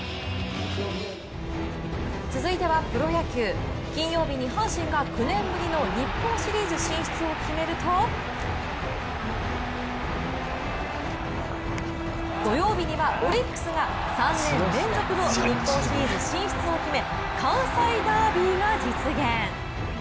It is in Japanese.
続いてはプロ野球、金曜日に阪神が９年ぶりの日本シリーズ進出を決めると土曜日にはオリックスが、３年連続の日本シリーズ進出を決め関西ダービーが実現。